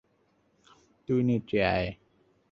তুই নিচে আয়!